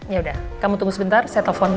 yaudah kamu tunggu sebentar saya telepon